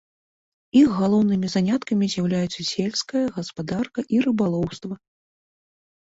Іх галоўнымі заняткамі з'яўляюцца сельская гаспадарка і рыбалоўства.